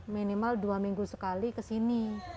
minimal dua minggu sekali kesini